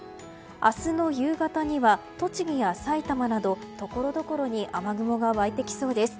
明日の夕方には、栃木や埼玉などところどころに雨雲が湧いてきそうです。